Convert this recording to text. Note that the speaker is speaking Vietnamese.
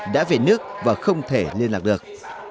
đã về nước và không thể liên lạc được